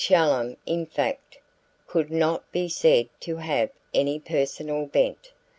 Shallum, in fact, could not be said to have any personal bent.